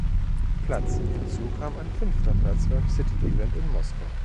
Platz, hinzu kam ein fünfter Platz beim City Event in Moskau.